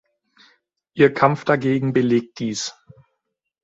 Ihr Kampf dagegen belegt dies.